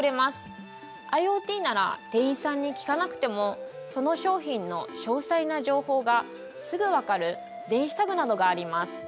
ＩｏＴなら店員さんに聞かなくてもその商品の詳細な情報がすぐ分かる電子タグなどがあります。